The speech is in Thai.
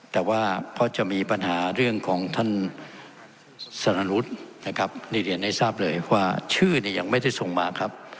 แต่ว่าเพราะจะมีปัญหาเรื่องของท่านสารวุฒินะครับนี่เรียนให้ทราบเลยว่าชื่อเนี่ยยังไม่ได้ส่งมาครับ